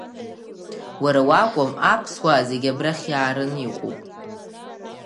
Уара уакәым, аԥсуаа зегьы абрахь иаараны иҟоуп.